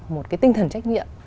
một cái tinh thần trách nhiệm